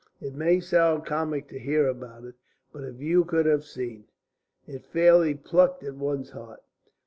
It may sound comic to hear about, but if you could have seen! ... It fairly plucked at one's heart.